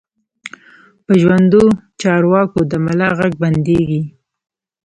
په ژوندو چارواکو د ملا غږ بندېږي.